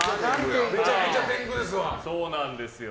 めちゃくちゃ天狗ですわ。